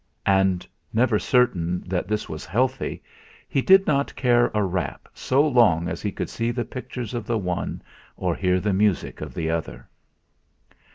And, never certain that this was healthy, he did not care a rap so long as he could see the pictures of the one or hear the music of the other.